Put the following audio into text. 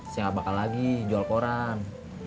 saya nggak bakal lagi jual koran